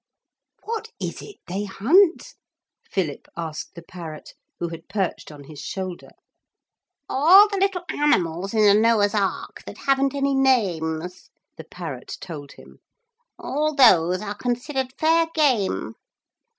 'What is it they hunt?' Philip asked the parrot, who had perched on his shoulder. 'All the little animals in the Noah's ark that haven't any names,' the parrot told him. 'All those are considered fair game.